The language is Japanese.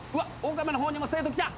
岡部の方にも生徒来た。